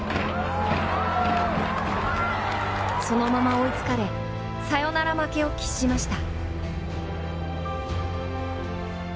そのまま追いつかれサヨナラ負けを喫しました。